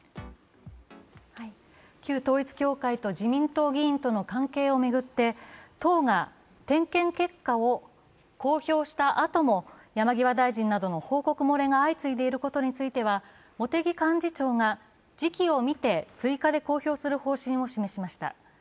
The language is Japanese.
旧統一教会と自民党議員との関係を巡って党が点検結果を公表したあとも山際大臣などの報告漏れが相次いでいることについては茂木幹事長が、時期を見て追加で公表する可能性を示しました。